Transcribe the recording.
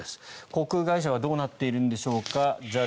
航空会社はどうなっているんでしょうか。